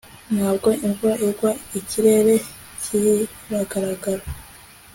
Ntabwo imvura igwa ikirere kiragaragara